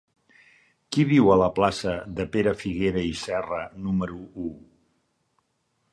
Qui viu a la plaça de Pere Figuera i Serra número u?